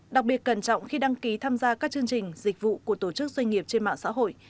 đặc biệt cẩn trọng khi đăng ký tham gia các chương trình dịch vụ của tổ chức doanh nghiệp trên mạng xã hội